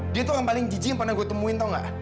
dia tuh orang paling jijik yang pernah gue temuin tau gak